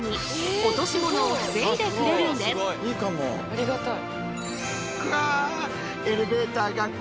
ありがたい。